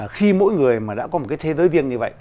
khi mỗi người mà đã có một cái thế giới riêng như vậy